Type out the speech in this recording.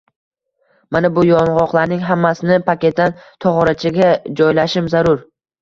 “Mana bu yong‘oqlarning hammasini paketdan tog‘orachaga joylashim zarur”.